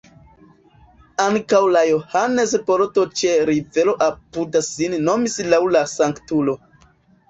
Ankaŭ la Johannes-bordo ĉe rivero apuda sin nomis laŭ la sanktulo.